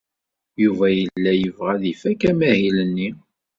Yuba yella yebɣa ad ifak amahil-nni.